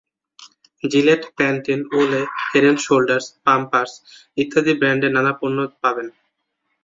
JELET, Pantene, Olay, head and shoulders, Pampers ইত্যাদি ব্র্যান্ডের নানা পণ্য পাবেন।